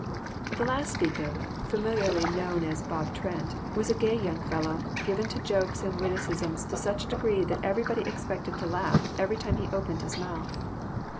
The last speaker, familiarly known as " Bob Trent," was a gay young fellow, given to jokes and witticisms to such a degree that everybody expected to laugh every time he opened his mouth.